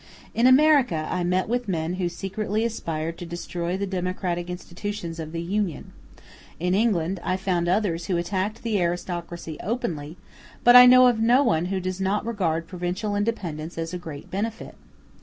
In America I met with men who secretly aspired to destroy the democratic institutions of the Union; in England I found others who attacked the aristocracy openly, but I know of no one who does not regard provincial independence as a great benefit.